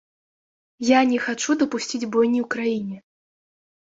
Я не хачу дапусціць бойні ў краіне.